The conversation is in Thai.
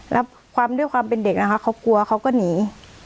แล้วความด้วยความเป็นเด็กนะคะเขากลัวเขาก็หนี